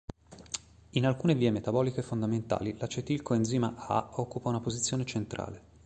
In alcune vie metaboliche fondamentali l'acetil coenzima A occupa una posizione centrale.